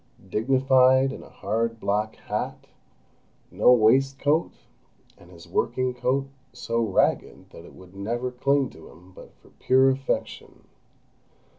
—dignified in a hard black hat, no waistcoat, and his working coat so ragged that it would never cling to him but for pure affection.